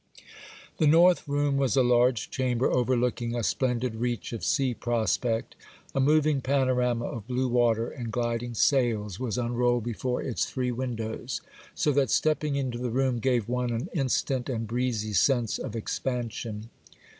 The north room was a large chamber, overlooking a splendid reach of sea prospect. A moving panorama of blue water and gliding sails was unrolled before its three windows, so that stepping into the room gave one an instant and breezy sense of expansion.